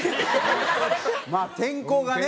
まあ天候がね。